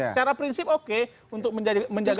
secara prinsip oke untuk menjaga